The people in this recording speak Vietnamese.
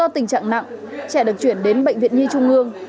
do tình trạng nặng trẻ được chuyển đến bệnh viện nhi trung ương